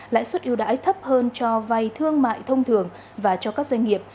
lãi suất yêu đãi thấp hơn cho vay thương mại thông thường và cho các doanh nghiệp